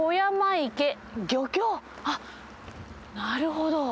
あっなるほど。